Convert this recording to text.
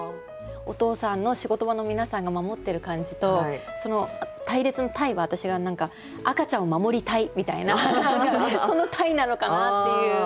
お父さんの仕事場の皆さんが守ってる感じと「隊列」の「隊」は私は何かみたいなその「隊」なのかなっていう。